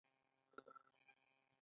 ایا ستاسو تګلاره روښانه نه ده؟